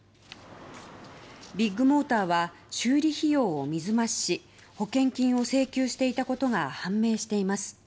ビッグモーターは修理費用を水増しし保険金を請求していたことが判明しています。